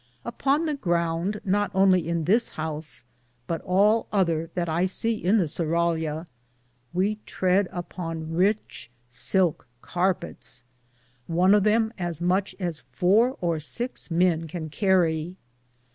Upon the grounde, not only in this house, but all other that I se in the Surraliae, we treade upon ritch silke garpites, one of them as muche as four or sixe men can carrie.